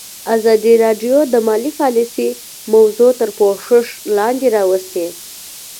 ازادي راډیو د مالي پالیسي موضوع تر پوښښ لاندې راوستې.